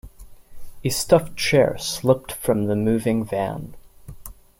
A stuffed chair slipped from the moving van.